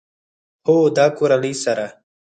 هو، د کورنۍ سره